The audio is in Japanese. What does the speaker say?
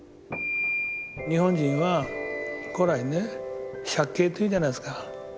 日本人は古来ね借景というじゃないですか。